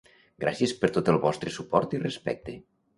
Gràcies per tot el vostre suport i respecte!